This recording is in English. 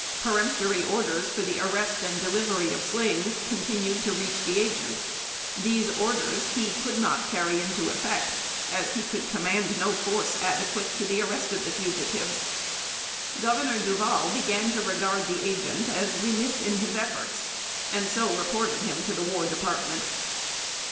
Peremptory orders for the arrest and delivery of slaves continued to reach the Agent. These orders he could not carry into effect, as he could command no force adequate to the arrest of the fugitives. Governor Duval began to regard the Agent as remiss in his efforts, and so reported him to the War Department.